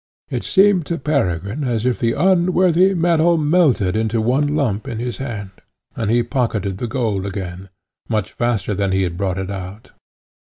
It seemed to Peregrine as if the unworthy metal melted into one lump in his hand, and he pocketed the gold again, much faster than he had brought it out.